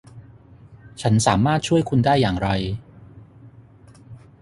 ฉันสามารถช่วยคุณได้อย่างไร